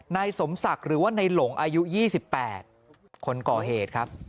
นายสมศักดิ์หรือว่าในหลงอายุ๒๘คนก่อเหตุครับ